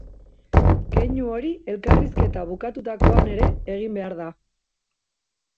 Keinu hori elkarrizketa bukatutakoan ere egin behar da.